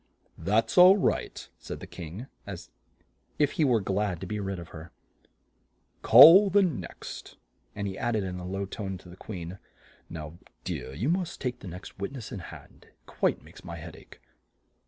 "That's all right," said the King, as if he were glad to be rid of her. "Call the next," and he add ed in a low tone to the Queen, "Now, my dear, you must take the next wit ness in hand; it quite makes my head ache!"